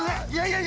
いや